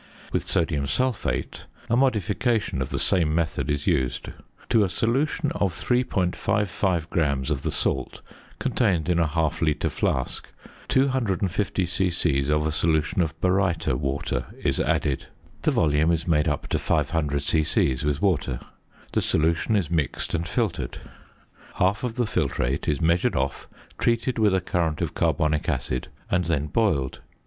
With sodium sulphate, a modification of the same method is used. To a solution of 3.55 grams of the salt contained in a half litre flask, 250 c.c. of a solution of baryta water is added. The volume is made up to 500 c.c. with water. The solution is mixed and filtered. Half of the filtrate is measured off, treated with a current of carbonic acid, and then boiled.